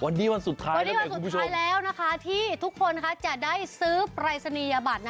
วันนี้วันสุดท้ายแล้วนะคะที่ทุกคนจะได้ซื้อปรายศนียาบัตร